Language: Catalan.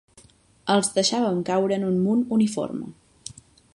Els deixàvem caure en un munt uniforme